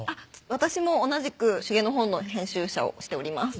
私も同じく手芸の本の編集者をしております